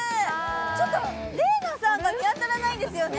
ちょっと麗菜さんが見当たらないんですよね。